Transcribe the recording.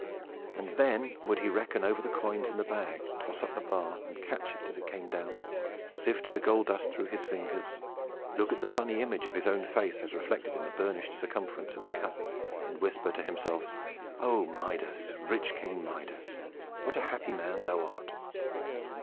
And then would he reckon over the coins in the bag; toss up the bar, and catch it as it came down; sift the gold dust through his fingers; look at the funny image of his own face, as reflected in the burnished circumference of the cup; and whisper to himself, "O Midas, rich King Midas, what a happy man art thou!"